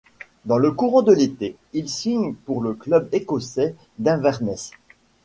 Dans le courant de l'été, il signe pour le club écossais d'Inverness.